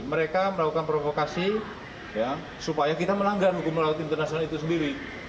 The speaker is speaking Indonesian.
mereka melakukan provokasi supaya kita melanggar hukum melalui laut internasional itu sendiri